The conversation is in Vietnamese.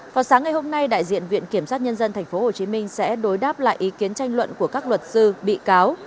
vào sáng ngày hôm nay đại diện viện kiểm sát nhân dân tp hcm sẽ đối đáp lại ý kiến tranh luận của các luật sư bị cáo